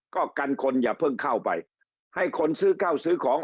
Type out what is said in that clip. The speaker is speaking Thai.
ก็กันคนอย่าเพิ่งเข้าไปให้คนซื้อข้าวซื้อของ